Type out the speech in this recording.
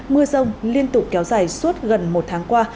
mưa rông liên tục kéo dài suốt gần một tháng qua